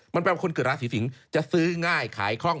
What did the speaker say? มันแปลว่าคนเกิดราศีสิงศ์จะซื้อง่ายขายคล่อง